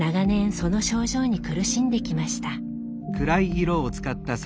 その症状に苦しんできました。